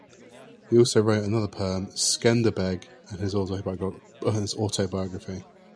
He also wrote another poem "Skenderbeg", and his autobiography.